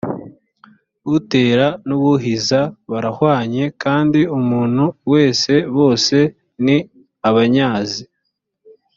utera n uwuhira barahwanye kandi umuntu wesebose ni abanyazi